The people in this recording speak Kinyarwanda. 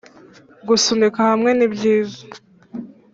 gusunika hamwe ni byiza